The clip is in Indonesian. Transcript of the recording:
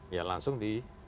ya langsung di